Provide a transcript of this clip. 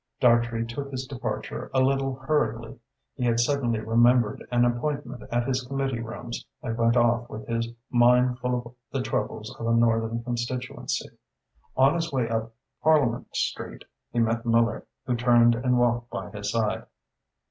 Dartrey took his departure a little hurriedly. He had suddenly remembered an appointment at his committee rooms and went off with his mind full of the troubles of a northern constituency. On his way up Parliament Street he met Miller, who turned and walked by his side.